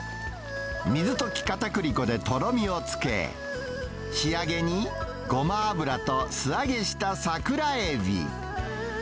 水溶きかたくり粉でとろみをつけ、仕上げにごま油と素揚げした桜エビ。